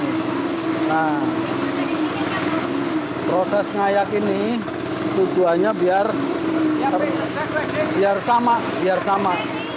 hai nah proses ngayak ini tujuannya biar biar sama sama